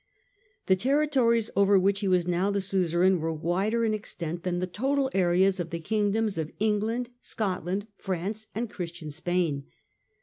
The territories over which he was now the suzerain were wider in extent than the total areas of the kingdoms of England, Scotland, France and Christian Spain.